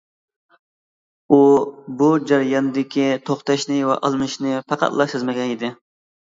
ئۇ بۇ جەرياندىكى توختاشنى ۋە ئالمىشىشنى پەقەتلا سەزمىگەن ئىدى.